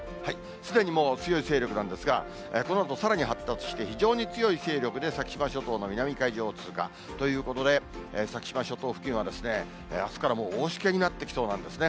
すでにもう強い勢力なんですが、このあとさらに発達して、非常に強い勢力で先島諸島の南海上を通過。ということで、先島諸島付近は、あすからもう大しけになってきそうなんですね。